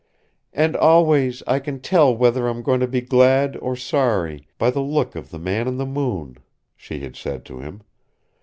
"And always I can tell whether I'm going to be glad or sorry by the look of the Man in the Moon," she had said to him.